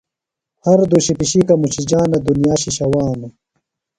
ہر دُشی پِشِیکہ مُچِجانہ۔ دنیا شِشہ وانوۡ۔